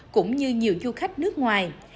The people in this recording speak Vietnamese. cũng như nhiều du khách nước ngoài